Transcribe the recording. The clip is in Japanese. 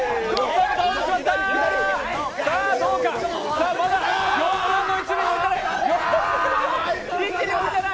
さぁ、まだ４分の１にも満たない。